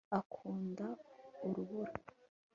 ukunda urubura